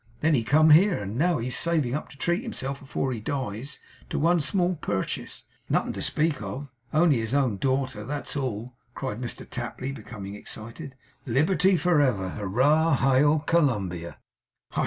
Then he come here. And now he's a saving up to treat himself, afore he dies, to one small purchase it's nothing to speak of. Only his own daughter; that's all!' cried Mr Tapley, becoming excited. 'Liberty for ever! Hurrah! Hail, Columbia!' 'Hush!